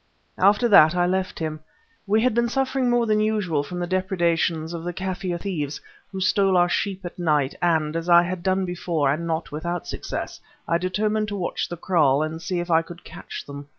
After that I left him. We had been suffering more than usual from the depredations of the Kaffir thieves, who stole our sheep at night, and, as I had done before, and not without success, I determined to watch the kraal and see if I could catch them.